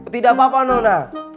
tidak apa apa nona